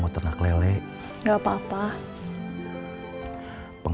terima kasih kang